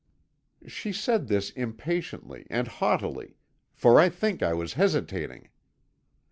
"She said this impatiently and haughtily, for I think I was hesitating.